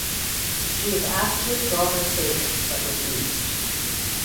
She was asked to withdraw her statement but refused.